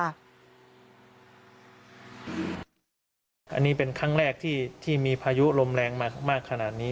อันนี้เป็นครั้งแรกที่มีพายุลมแรงมามากขนาดนี้